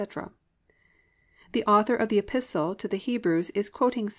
"+ The author of the epistle to the Hebrews is quoting Ps.